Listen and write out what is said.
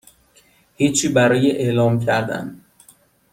هیچی برای اعلام کردن